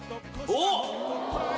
おっ